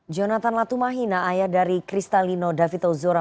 jonathan latumahina ayah dari kristalino david ozora